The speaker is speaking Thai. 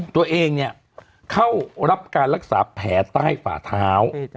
ตัวเองเข้ารับการรักษาแผลใต้ฝาเท้า